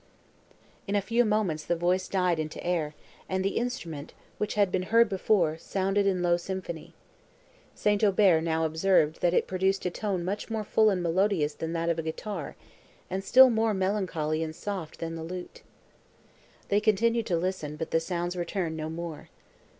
In a few moments the voice died into air, and the instrument, which had been heard before, sounded in low symphony. St. Aubert now observed, that it produced a tone much more full and melodious than that of a guitar, and still more melancholy and soft than the lute. They continued to listen, but the sounds returned no more.